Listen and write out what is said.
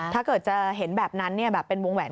ถ้าเกิดจะเห็นแบบนั้นแบบเป็นวงแหวน